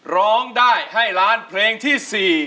ร้องได้ให้ล้านเพลงที่๔